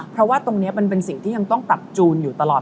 เพราะว่าตรงนี้มันเป็นสิ่งที่ยังต้องปรับจูนอยู่ตลอด